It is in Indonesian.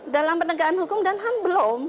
dalam penegakan hukum dan ham belum